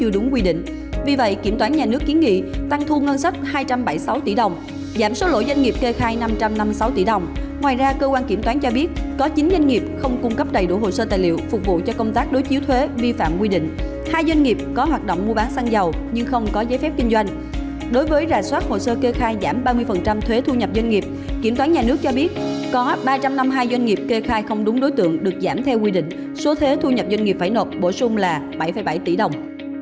đối với rà soát hồ sơ kê khai giảm ba mươi thuế thu nhập doanh nghiệp kiểm toán nhà nước cho biết có ba trăm năm mươi hai doanh nghiệp kê khai không đúng đối tượng được giảm theo quy định số thuế thu nhập doanh nghiệp phải nộp bổ sung là bảy bảy tỷ đồng